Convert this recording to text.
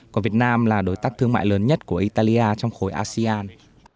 còn việt nam là đối tác thương mại lớn nhất của italia trong khối asean